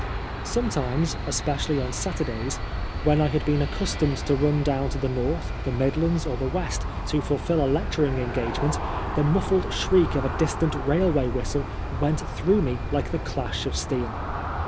Sometimes, especially on Saturdays, when I had been accustomed to run down to the North, the Midlands or the West, to fulfil a lecturing engage ment, the muffled shriek of a distant railway whistle went through me like the clash of steel.